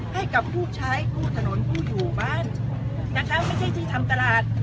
ให้กับผู้ใช้คู่ถนนผู้อยู่บ้านนะคะไม่ใช่ที่ทำตลาด